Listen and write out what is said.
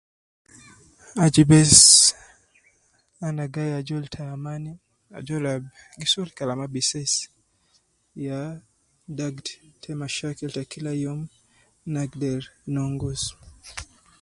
Aju bes ana gayi azol ta amani, ajol al gi sulu kalama bises, ya dagti ta mashakil ta kila yomu, ina agider nongus.